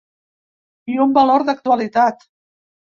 I un valor d’actualitat.